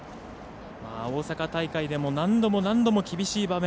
大阪大会でも何度も何度も厳しい場面。